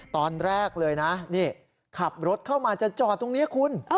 ตอนแรกเลยนะนี่ขับรถเข้ามาจะจอดตรงนี้คุณ